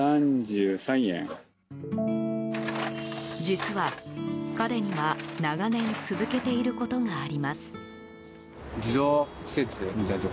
実は彼には長年続けていることがあります。